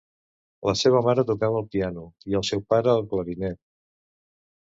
La seva mare tocava el piano, i el seu pare, el clarinet.